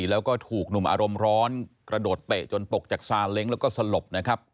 แล้วก็ถูกหนุ่มอารมณ์ร้อนกระโดดเตะจนตกจากซาเล้งแล้วก็สลบนะครับ